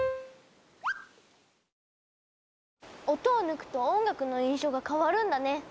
音を抜くと音楽の印象が変わるんだね。